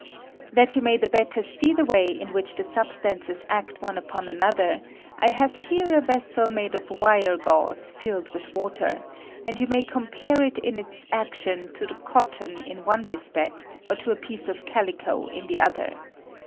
(*) That you may the better see the way in which the substances act one upon another, I have here a vessel made of wire gauze filled with water, and you may compare it in its action to the cotton ia one respect, or to a piece of calico in the other.